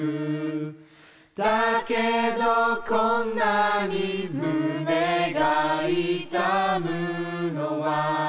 「だけどこんなに胸が痛むのは」